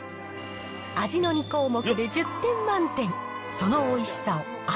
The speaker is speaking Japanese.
味の２項目で１０点満点。